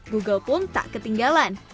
google pun tak ketinggalan